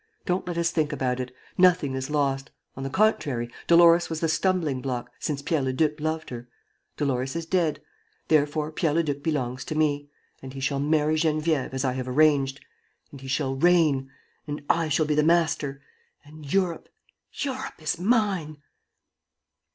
"Don't let us think about it. Nothing is lost. On the contrary! Dolores was the stumbling block, since Pierre Leduc loved her. Dolores is dead. Therefore Pierre Leduc belongs to me. And he shall marry Geneviève, as I have arranged! And he shall reign! And I shall be the master! And Europe, Europe is mine!"